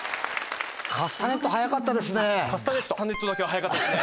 カスタネット早かったですね。